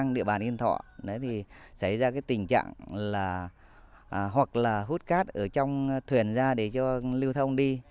địa bàn yên thọ thì xảy ra cái tình trạng là hoặc là hút cát ở trong thuyền ra để cho lưu thông đi